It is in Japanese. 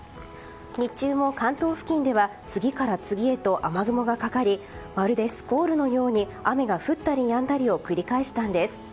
日中も関東付近では次から次へと雨雲がかかりまるでスコールのように雨が降ったりやんだりを繰り返したんです。